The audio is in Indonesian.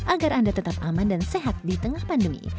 agar anda tetap aman dan sehat di tengah pandemi